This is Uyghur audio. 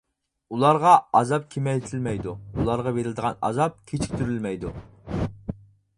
ئۇلارغا ئازاب كېمەيتىلمەيدۇ، ئۇلارغا بېرىلىدىغان ئازاب كېچىكتۈرۈلمەيدۇ.